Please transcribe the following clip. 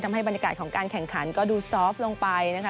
บรรยากาศของการแข่งขันก็ดูซอฟต์ลงไปนะคะ